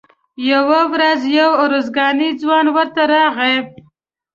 یوه ورځ یو ارزګانی ځوان ورته راغی.